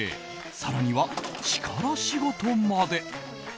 更には、力仕事まで。